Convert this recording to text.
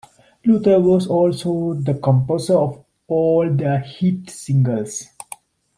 Luther was also the composer of all their hit singles.